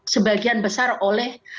sebagian besar oleh